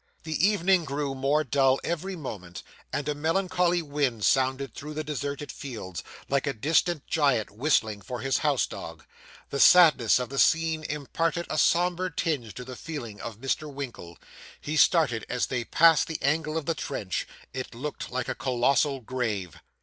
The evening grew more dull every moment, and a melancholy wind sounded through the deserted fields, like a distant giant whistling for his house dog. The sadness of the scene imparted a sombre tinge to the feelings of Mr. Winkle. He started as they passed the angle of the trench it looked like a colossal grave.